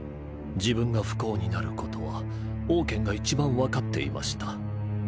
自分が不幸になることはオウケンが一番分かっていました。